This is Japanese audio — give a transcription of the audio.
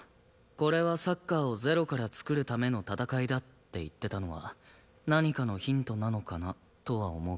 これはサッカーを０から創るための戦いだって言ってたのは何かのヒントなのかなとは思うけど。